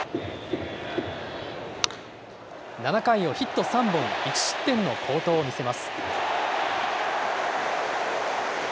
７回をヒット３本、１失点の好投を見せます。